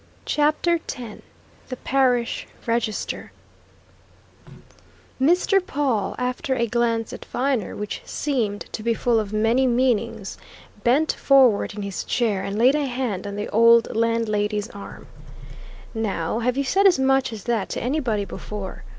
CHAPTER X THE PARISH REGISTER Mr. Pawle, after a glance at Viner which seemed to be full of many meanings, bent forward in his chair and laid a hand on the old landlady's arm. "Now, have you said as much as that to anybody before?"